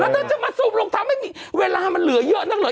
แล้วเธอจะมาสูบลงเท้าไม่มีเวลามันเหลือเยอะนั่นเหรอ